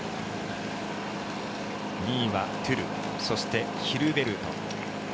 ２位はトゥルそしてヒルベルト